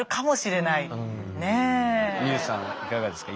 海さんいかがですか？